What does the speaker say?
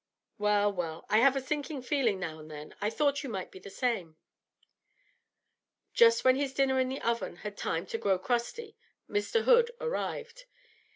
'Well, well; I have a sinking feeling now and then, I thought you might be the same.' Just when his dinner in the oven had had time to grow crusty, Mr. Hood arrived.